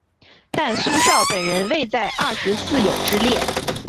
但苏绍本人未在二十四友之列。